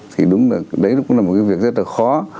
thì đúng là đấy cũng là một cái việc rất là khó